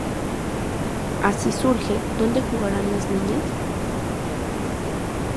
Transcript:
Así surge "¿Dónde jugarán las niñas?